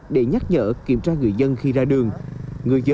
để nhắc nhở kiểm tra người dân khi ra đường